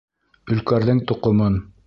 Өлкәрҙең тоҡомон.